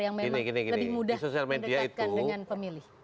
yang memang lebih mudah mendekatkan dengan pemilih